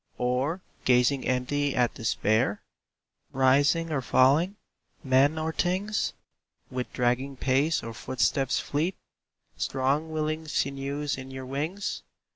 Or gazing empty at despair? Rising or falling? Men or things? With dragging pace or footsteps fleet? Strong, willing sinews in your wings?